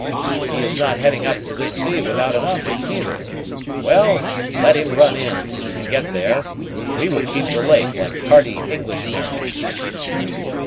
"He is not heading up to this sea without an object, neither. Well, let him run in, if he can get there, we will keep the lake, like hearty English mariners."